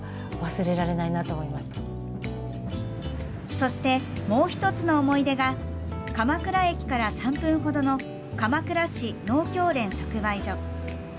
そしてもう１つの思い出が鎌倉駅から３分程の鎌倉市農協連即売所。